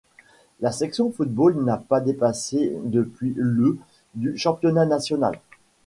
La section football n'a pas dépassé depuis le du championnat national.